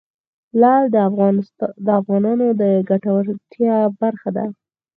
لعل د افغانانو د ګټورتیا برخه ده.